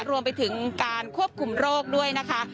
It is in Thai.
รวมไปถึงการควบคุมโรคด้วยนะคะ